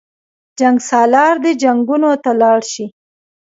جنګسالاران دې جنګونو ته لاړ شي.